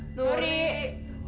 nuri banget sih ini